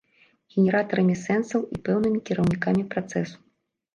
Генератарамі сэнсаў і пэўнымі кіраўнікамі працэсу.